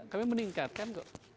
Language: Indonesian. kami meningkatkan kok